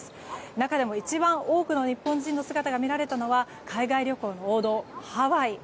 中でも一番多くの日本人の姿が見られたのは海外旅行の王道、ハワイ。